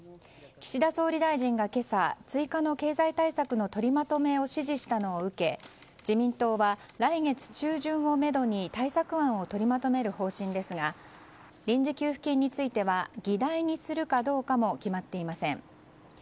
岸田総理大臣が今朝追加の経済対策の取りまとめを指示したのを受け自民党は来月中旬をめどに対策案を取りまとめる方針ですが臨時給付金については議題にするかも決まっていません。